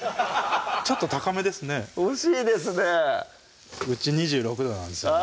ちょっと高めですね惜しいですねうち２６℃なんですよね